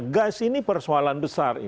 gas ini persoalan besar